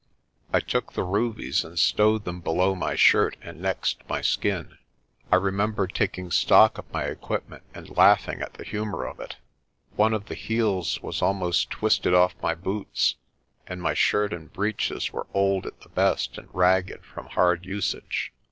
I took the rubies, and stowed them below my shirt and next my skin. I remember taking stock of my equipment and laughing at the humour of it. One of the heels was almost twisted off my boots, and my shirt and breeches were old at the best and ragged from hard usage.